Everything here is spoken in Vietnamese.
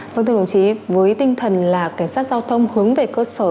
vâng thưa đồng chí với tinh thần là cảnh sát giao thông hướng về cơ sở